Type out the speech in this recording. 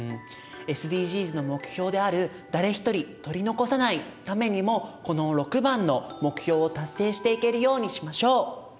ＳＤＧｓの目標である「誰一人取り残さない」ためにもこの６番の目標を達成していけるようにしましょう！